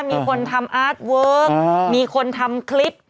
มีคนทำอาร์ตเวิร์คมีคนทำคลิป